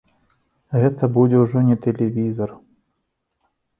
Гэта будзе ўжо не тэлевізар.